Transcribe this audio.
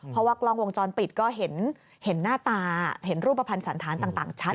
เพราะว่ากล้องวงจรปิดก็เห็นหน้าตาเห็นรูปภัณฑ์สันธารต่างชัด